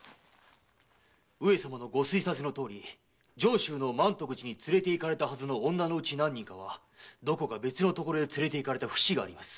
上様のご推察のとおり満徳寺に連れて行かれたはずの女のうち何人かはどこか別の所へ連れて行かれた節があります。